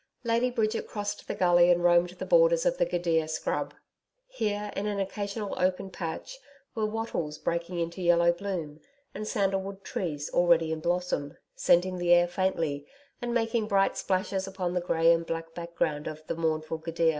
Lady Bridget crossed the gully and roamed the borders of the gidia scrub. Here, in an occasional open patch, were wattles breaking into yellow bloom, and sandalwood trees already in blossom, scenting the air faintly and making bright splashes upon the grey and black background of the mournful gidia.